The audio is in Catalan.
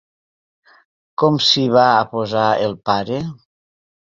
Com s'hi va a posar el pare?